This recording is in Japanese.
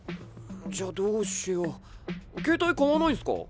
じゃどうしよう携帯買わないんすか？